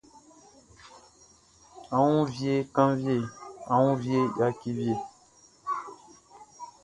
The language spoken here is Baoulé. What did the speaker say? A wun vie kanvie a woun vie yaki vie.